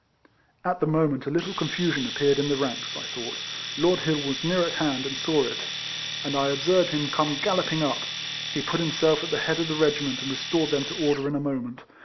At the moment, a little confusion appeared in the ranks, I thought. Lord Hill was near at hand, and saw it, and I observed him come galloping up. He put himself at the head of the regiment, and restored them to order in a moment.